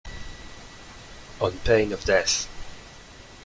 On pain of death.